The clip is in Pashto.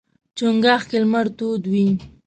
چنګاښ کې لمر تود وي.